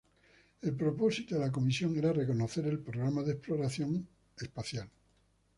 El propósito de la comisión era reconocer el programa de exploración espacial.